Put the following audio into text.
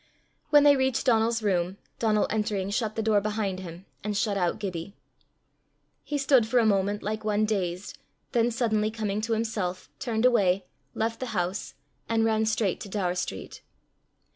When they reached Donal's room, Donal entering shut the door behind him and shut out Gibbie. He stood for a moment like one dazed, then suddenly coming to himself, turned away, left the house, and ran straight to Daur street.